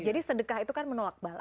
jadi sedekah itu kan menolak bala